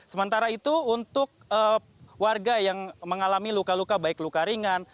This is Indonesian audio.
sementara itu untuk warga yang mengalami luka luka baik luka ringan